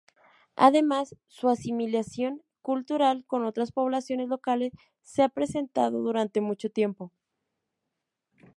Además, su asimilación cultural con otras poblaciones locales se ha presentado durante mucho tiempo.